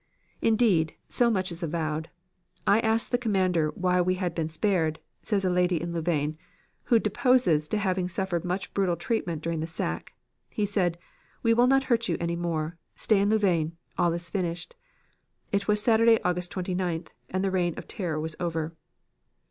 Indeed, so much is avowed. 'I asked the commander why we had been spared,' says a lady in Louvain, who deposes to having suffered much brutal treatment during the sack. He said: 'We will not hurt you any more. Stay in Louvain. All is finished.' It was Saturday, August 29th, and the reign of terror was over.